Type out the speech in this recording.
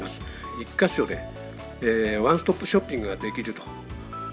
１か所でワンストップショッピングができると。